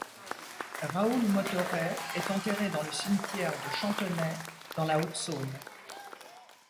Raoul Motoret est enterré dans le cimetière de Champtonnay dans la Haute-Saône.